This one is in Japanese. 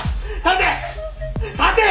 立て！